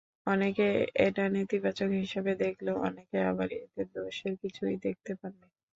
অনেকে এটা নেতিবাচক হিসেবে দেখলেও, অনেকেই আবার এতে দোষের কিছুই দেখতে পাননি।